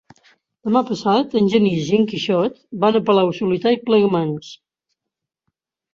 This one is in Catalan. Demà passat en Genís i en Quixot van a Palau-solità i Plegamans.